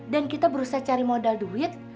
dan kita berusaha cari modal duit